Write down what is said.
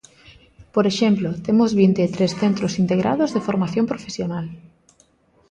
Por exemplo, temos vinte e tres centros integrados de formación profesional.